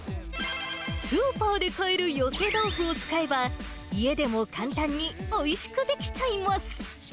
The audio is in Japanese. スーパーで買える寄せ豆腐を使えば、家でも簡単においしく出来ちゃいます。